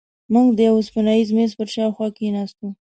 موږ د یوه اوسپنیز میز پر شاوخوا کېناستو.